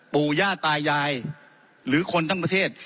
ปู่ย่าตายายหรือคนทั้งประเทศ